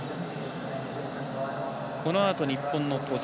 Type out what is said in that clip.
このあと、日本の兎澤。